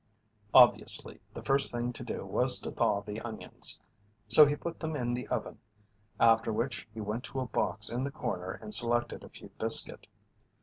Obviously the first thing to do was to thaw the onions, so he put them in the oven, after which he went to a box in the corner and selected a few biscuit.